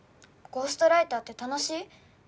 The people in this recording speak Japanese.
ゴーストライターって楽しい？